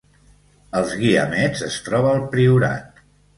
Els Guiamets es troba al Priorat